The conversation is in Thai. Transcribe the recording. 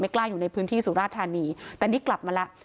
กล้าอยู่ในพื้นที่สุราธานีแต่นี่กลับมาแล้ว